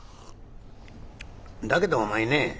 だけどお前ね